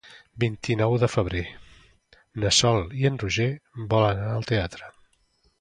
El vint-i-nou de febrer na Sol i en Roger volen anar al teatre.